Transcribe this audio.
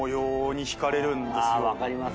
分かります。